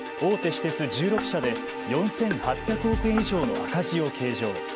私鉄１６社で４８００億円以上の赤字を計上。